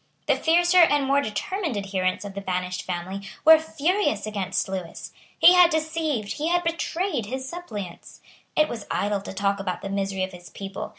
The fiercer and more determined adherents of the banished family were furious against Lewis. He had deceived, he had betrayed his suppliants. It was idle to talk about the misery of his people.